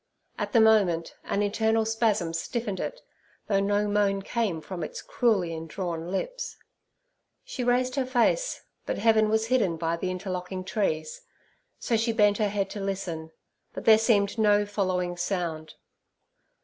At the moment an internal spasm stiffened it, though no moan came from its cruelly indrawn lips. She raised her face, but heaven was hidden by the interlocking trees; so she bent her head to listen, but there seemed no following sound.